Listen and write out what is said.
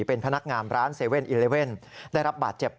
เป็นพนักงานร้าน๗๑๑ได้รับบาดเจ็บ